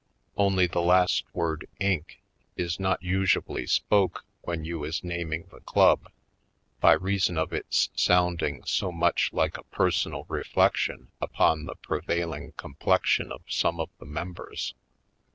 Only, the last word — Inc. — is not usually spoke when you is naming the club, by reason of its sounding so much like a personal reflection upon the prevailing complexion of some of the mem bers.